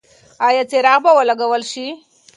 ایا څراغ به ولګول شي؟